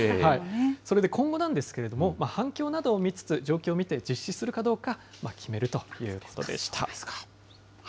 それで今後なんですけれども、反響などを見つつ、状況を見て実施するかどうか決めるということでした。